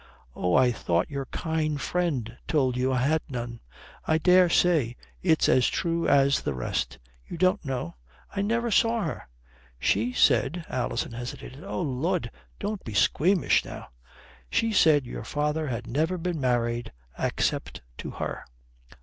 "Oh, I thought your kind friend told you I had none. I dare say it's as true as the rest." "You don't know?" "I never saw her." "She said " Alison hesitated. "Oh Lud, don't be squeamish now." "She said your father had never been married except to her."